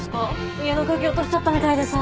家の鍵落としちゃったみたいでさ。